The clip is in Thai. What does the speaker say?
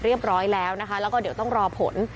เรียบร้อยแล้วนะคะแล้วก็เดี๋ยวต้องรอผล